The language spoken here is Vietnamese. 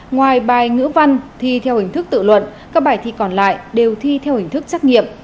ngoài bài ngữ văn thi theo hình thức tự luận các bài thi còn lại đều thi theo hình thức trắc nghiệm